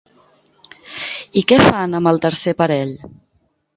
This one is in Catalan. I què fan amb el tercer parell?